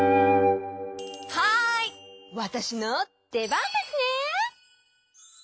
はいわたしのでばんですね！